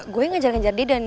gue ngejar ngajar dia dan